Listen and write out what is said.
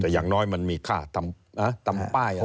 แต่อย่างน้อยมันมีค่าทำป้าย